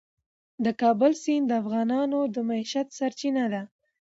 د کابل سیند د افغانانو د معیشت سرچینه ده.